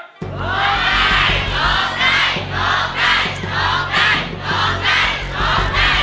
ร้องได้ร้องได้ร้องได้ร้องได้ร้องได้ร้องได้